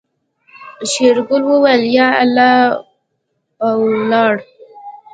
شېرګل وويل يا الله او ولاړ.